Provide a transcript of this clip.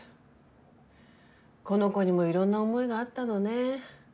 この子にもいろんな思いがあったのね。